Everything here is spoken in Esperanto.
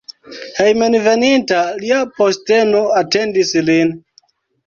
Hejmenveninta lia posteno atendis lin.